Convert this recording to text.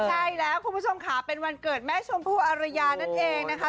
ใช่แล้วคุณผู้ชมค่ะเป็นวันเกิดแม่ชมพู่อารยานั่นเองนะคะ